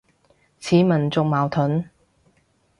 似民族矛盾